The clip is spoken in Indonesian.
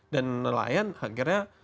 dan nelayan akhirnya berpindah